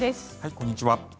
こんにちは。